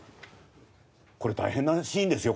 これ大変なシーンですよ。